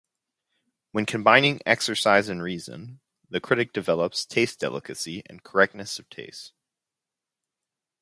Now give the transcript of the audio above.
When combining exercise and reason, the critic develops taste-delicacy and correctness of taste.